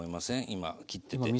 今切ってて。